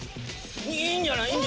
いいんじゃない？